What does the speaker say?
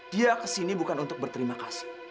dia ke sini bukan untuk berterima kasih